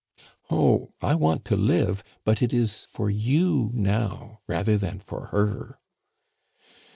"Oh! I want to live, but it is for you now rather than for her."